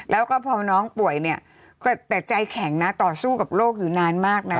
แล้วก็พอน้องป่วยเนี่ยก็แต่ใจแข็งนะต่อสู้กับโรคอยู่นานมากนะ